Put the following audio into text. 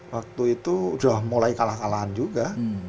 waktu itu sudah mulai kalah kalahan juga